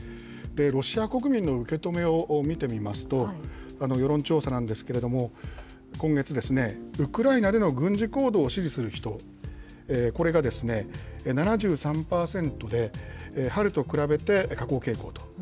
ロシア国民の受け止めを見てみますと、世論調査なんですけれども、今月、ウクライナでの軍事行動を支持する人、これが７３％で、春と比べて下降傾向と。